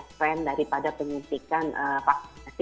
trend daripada penyimpikan vaksinasi